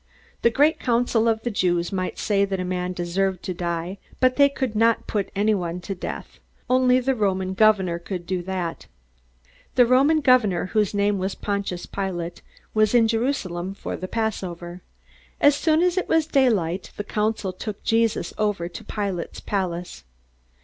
The great council of the Jews might say that a man deserved to die, but they could not put anyone to death. Only the Roman governor could do that. The Roman governor, whose name was Pontius Pilate, was in Jerusalem for the Passover. As soon as it was daylight, the council took Jesus over to Pilate's palace.